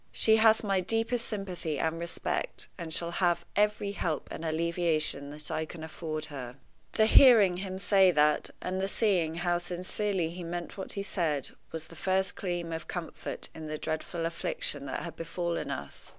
She has my deepest sympathy and respect, and shall have every help and alleviation that I can afford her." The hearing him say that, and the seeing how sincerely he meant what he said, was the first gleam of comfort in the dreadful affliction that had befallen us.